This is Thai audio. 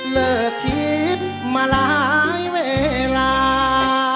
เลิกคิดมาหลายเวลา